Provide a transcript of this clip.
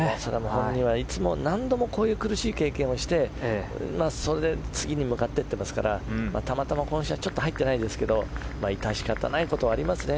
本人は何度もこういう経験をしてそれで次に向かっていっていますからたまたま今週はちょっと入ってないですけど致し方ないことがありますね。